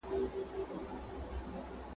نه په غم کي د ګورم نه د ګوروان وو ..